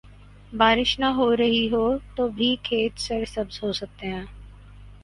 بارش نہ ہو رہی ہو تو بھی کھیت سرسبز ہو سکتے ہیں۔